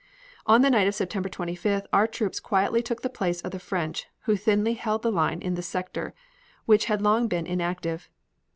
On the night of September 25th our troops quietly took the place of the French who thinly held the line in this sector which had long been inactive.